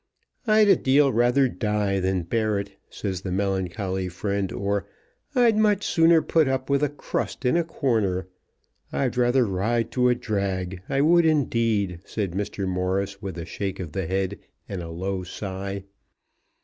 "I'd a deal rather die than bear it," says the melancholy friend; or, "I'd much sooner put up with a crust in a corner." "I'd rather ride to a drag; I would indeed," said Mr. Morris, with a shake of the head, and a low sigh.